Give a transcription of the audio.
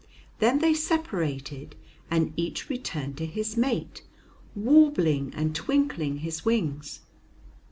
Then they separated, and each returned to his mate, warbling and twinkling his wings.